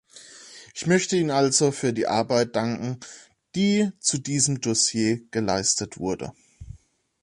Ich möchte Ihnen also für die Arbeit danken, die zu diesem Dossier geleistet wurde.